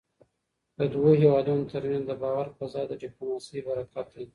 د دوو هېوادونو ترمنځ د باور فضا د ډيپلوماسی برکت دی .